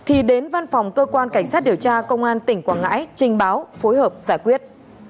thì đến văn phòng cơ quan cảnh sát điều tra công an tỉnh quảng ngãi trình báo phối hợp giải quyết